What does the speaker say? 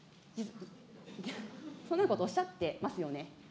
そのようなことおっしゃってますよね。